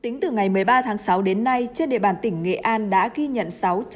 tính từ ngày một mươi ba tháng sáu đến nay trên địa bàn tỉnh nghệ an đã ghi nhận sáu trăm một mươi bốn